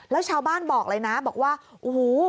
แล้วชาวบ้านบอกเลยนะบอกว่าโอ้โห